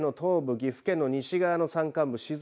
岐阜県の西側の山間部